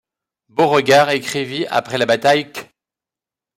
Beauregard écrivit après la bataille qu'.